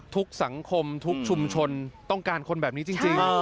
สังคมทุกชุมชนต้องการคนแบบนี้จริง